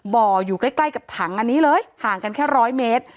บ่ออยู่ใกล้กับถังอันนี้เลยห่างกันแค่๑๐๐เมตร